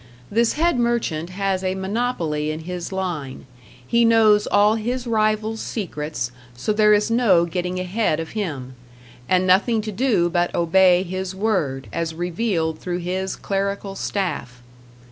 This Head Merchant has a monopoly in His line; He knows all His rivals' secrets, so there is no getting ahead of Him, and nothing to do but obey His Word, as revealed through His clerical staff.